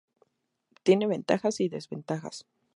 Tiene ventajas y desventajas.